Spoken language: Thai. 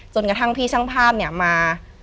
จนกระทั่งพี่ช่างภาพเนี่ยมา